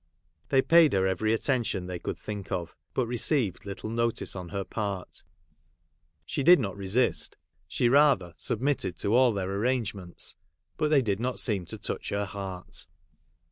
They paid her every attention they could think of, but received little notice on her part ; she did not resist — she rather submitted to all their Charles Dickens.] LIZZIE LEIGH. arrangements ; but they did not seem to touch her heart.